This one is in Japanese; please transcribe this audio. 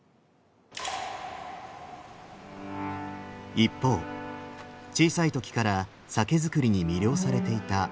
一方小さい時から酒造りに魅了されていた姉の綾。